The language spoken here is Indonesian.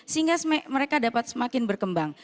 sehingga mereka dapat semakin berkembang